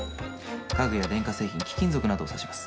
家具や電化製品貴金属などを指します。